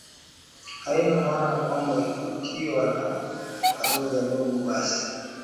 haina maana kwamba ukiwa na baraza dogo basi